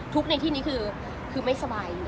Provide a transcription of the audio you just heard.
ทุกข์ในที่นี้คือคือไม่สบาย